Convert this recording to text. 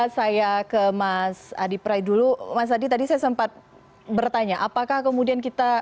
saya ke mas adi pray dulu mas adi tadi saya sempat bertanya apakah kemudian kita